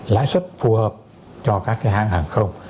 lãi suất phù hợp cho các cái hãng hàng không